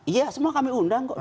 iya semua kami undang kok